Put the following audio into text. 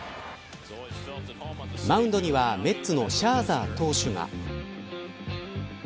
マウンドにはメッツのシャーザー投手が。